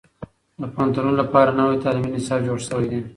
د پوهنتونونو لپاره نوی تعليمي نصاب جوړ سوی دی.